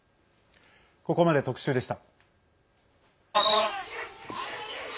ここまで特集でした。